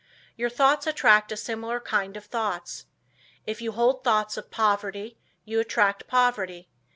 Your thoughts attract a similar kind of thoughts. If you hold thoughts of poverty you attract poverty.